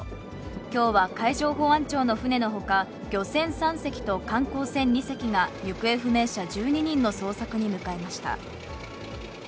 きょうは海上保安庁の船のほか、漁船３隻と観光船２隻が、行方不明者１２人の捜索に向かいました。